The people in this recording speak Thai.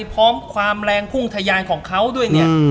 พร้อมความแรงพุ่งทะยานของเขาด้วยเนี่ย